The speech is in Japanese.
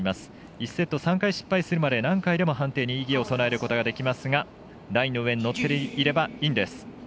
１セット３回失敗するまで何回でも判定に異議を唱えることができますがラインの上に乗っていればインです。